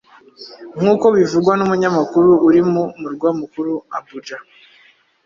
nkuko bivugwa n'umunyamakuru uri mu murwa mukuru Abuja.